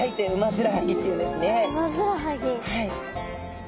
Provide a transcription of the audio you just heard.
はい。